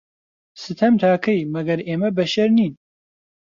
ستەم تا کەی، مەگەر ئێمە بەشەر نین